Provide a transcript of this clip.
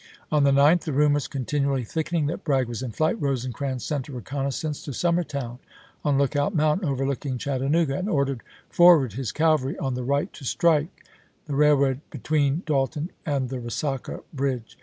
On the 9th, the rumors continually thickening that Bragg was in flight, Rosecrans sent a reconnaissance to Summertown, on Lookout Mountain, overlooking Chattanooga, and ordered forward his cavalry on the right, to strike the railroad between Dalton and the Resaca Bridge.